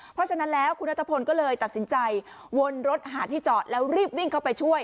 เพราะฉะนั้นแล้วคุณนัทพลก็เลยตัดสินใจวนรถหาที่จอดแล้วรีบวิ่งเข้าไปช่วย